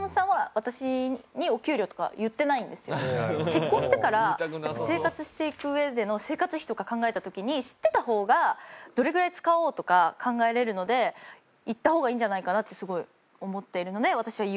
結婚してから生活していく上での生活費とか考えた時に知ってた方がどれぐらい使おうとか考えられるので言った方がいいんじゃないかなってすごい思っているので。